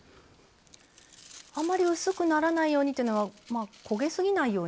あまり薄くならないようにというのは焦げすぎないように。